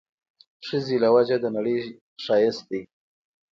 ښځې له وجه د نړۍ ښايست دی